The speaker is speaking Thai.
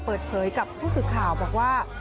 เปิดเผยกับผู้สื่อข่าวบอกว่า